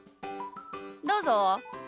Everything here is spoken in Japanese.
どうぞ。